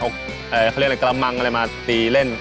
เขาเรียกอะไรกระมังอะไรมาตีเล่น